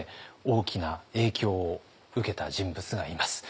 大きな影響を受けた人物がいます。